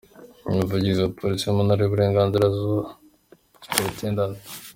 Umuvugizi wa Polisi mu ntara y’ Uburengerazuba, Supt.